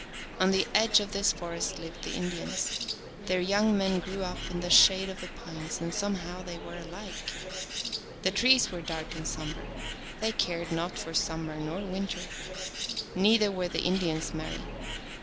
On the edge of this forest lived the Indians. Their young men grew up in the shade of the pines, and somehow they were alike. The trees were dark and somber; they cared not for summer nor win ter. Neither were the Indians merry.